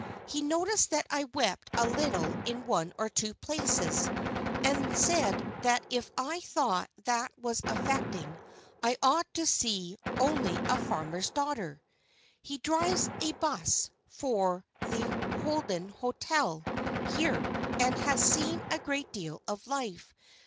He noticed that I wept a little in one or two places, and said that if I thought that was affecting I ought to see "Only a Farmer's Daughter." He drives a 'bus for the Hollenden Hotel here and has seen a great deal of life.